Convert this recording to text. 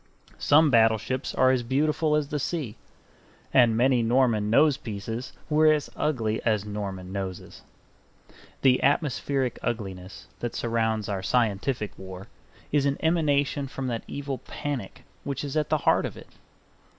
Some battleships are as beautiful as the sea; and many Norman nosepieces were as ugly as Norman noses. The atmospheric ugliness that surrounds our scientific war is an emanation from that evil panic which is at the heart of it.